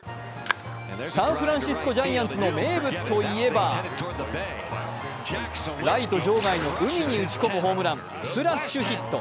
サンフランシスコ・ジャイアンツの名物といえばライト場外の海に打ち込むホームラン、スプラッシュヒット。